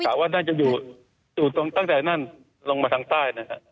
แต่เราก็คาดว่าน่าจะอยู่ตั้งแต่นั้นลงมาทางใต้นะครับ